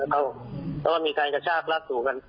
แล้วว่ามีการจะชาติลาดสู่กัน